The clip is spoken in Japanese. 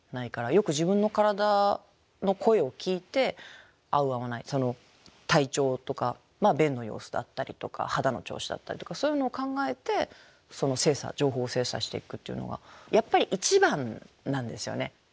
よく自分の体の声を聞いて合う合わない体調とか便の様子だったりとか肌の調子だったりとかそういうのを考えて情報精査していくっていうのがやっぱり一番なんですよね。